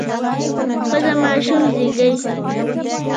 ښځه ماشوم زیږوي.